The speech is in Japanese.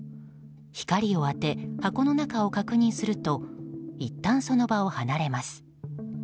光を当て、箱の中を確認するといったん、その場を離れます。